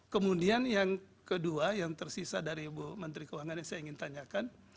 kemudian yang kedua yang tersisa dari ibu menteri keuangan yang saya ingin tanyakan